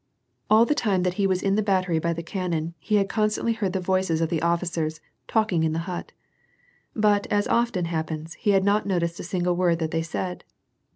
All the time that he was in the battery by the cannon, he had constantly heard the voices of the officers, talking in the hut, but, as often happens, he had not noticed a single word that they said.